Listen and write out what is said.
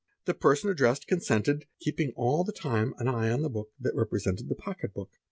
The person addressed, consented, keeping the time an eye on the book that represented the pocket book.